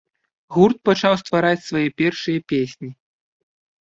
Гурт пачаў ствараць свае першыя песні.